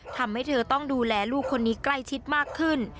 ทำให้เธอต้องดูแลลูกคนนี้ใกล้ชิดมากขึ้น